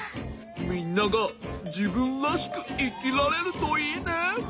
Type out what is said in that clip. みんながじぶんらしくいきられるといいね。